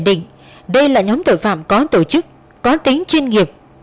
đặc biệt chúng phải là những người thông thạo luồn lạch trên tuyến sông hậu